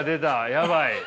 やばい。